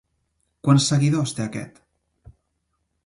Quants seguidors té aquest?